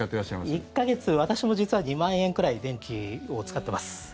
１か月、私も実は２万円くらい電気を使ってます。